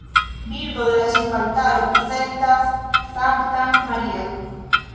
Bildo de la ĉefaltaro prezentas Sanktan Maria.